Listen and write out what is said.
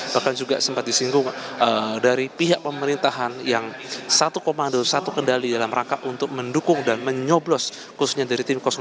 bahkan juga sempat disinggung dari pihak pemerintahan yang satu komando satu kendali dalam rangka untuk mendukung dan menyoblos khususnya dari tim dua